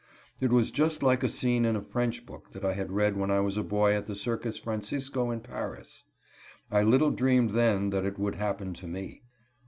It was just like a scene in a French book that I had read when I was a boy at the Circus Francisco in Paris. I little dreamed then that it would happen to me.